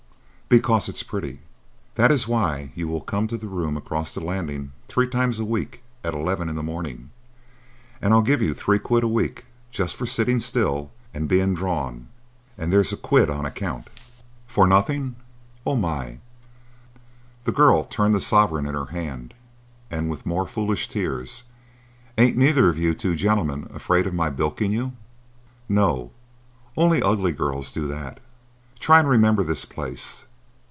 "Because it's pretty. That is why you will come to the room across the landing three times a week at eleven in the morning, and I'll give you three quid a week just for sitting still and being drawn. And there's a quid on account." "For nothing? Oh, my!" The girl turned the sovereign in her hand, and with more foolish tears, "Ain't neither o' you two gentlemen afraid of my bilking you?" "No. Only ugly girls do that. Try and remember this place.